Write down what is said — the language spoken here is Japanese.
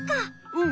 うん。